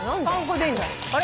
あれ？